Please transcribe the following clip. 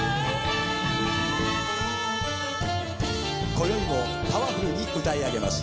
こよいもパワフルに歌い上げます。